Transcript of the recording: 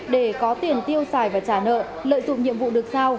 để có tiền tiêu xài và trả nợ lợi dụng nhiệm vụ được sao